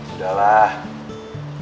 udah lah ya udah